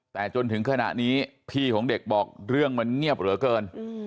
แต่จนถึงขณะนี้พี่ของเด็กบอกเรื่องมันเงียบเหลือเกิน